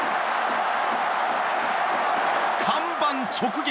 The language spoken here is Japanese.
看板直撃！